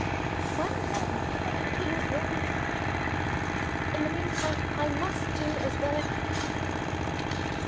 When the sun is higher, things will be clear again. In the meantime, I must do as well as I can.